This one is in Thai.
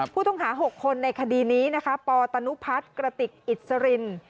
ผู้ต้องหา๖คนในคดีนี้นะคะปตนุพัฒน์กระติกอิสริน